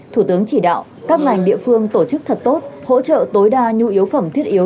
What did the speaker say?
thủ tướng chỉ đạo các ngành địa phương tổ chức thật tốt hỗ trợ tối đa nhu yếu phẩm thiết yếu